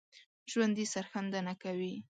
ژوندي سرښندنه کوي